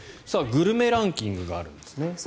グルメランキングがあるんですね。